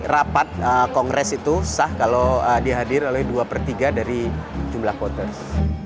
rapat kongres itu sah kalau dihadir oleh dua per tiga dari jumlah voters